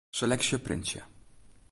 Seleksje printsje.